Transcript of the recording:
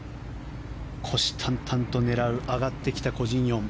虎視眈々と狙う上がってきたコ・ジンヨン。